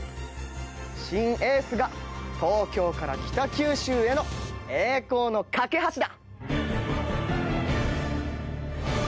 新エースが東京から北九州への栄光の架け橋だ。